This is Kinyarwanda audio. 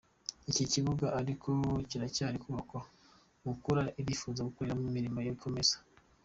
Iki kibuga ariko kiracyari kubakwa mukura ikifuza kugikoreraho n’imirimo igakomeza.